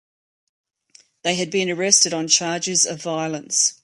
They had been arrested on charges of violence.